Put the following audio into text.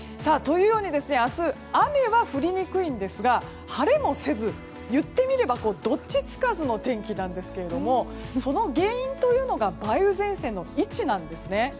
明日、雨は降りにくいんですが晴れもせず言ってみればどっちつかずの天気なんですがその原因というのは梅雨前線の位置なんですね。